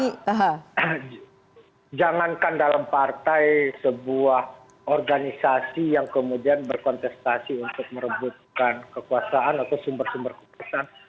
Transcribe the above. jangankan dalam partai sebuah organisasi yang kemudian berkontestasi untuk merebutkan kekuasaan atau sumber sumber kekuasaan